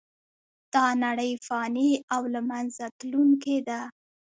دا نړۍ فانې او له منځه تلونکې ده .